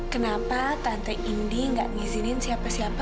kenapa tante indi gak ngizinin siapa siapa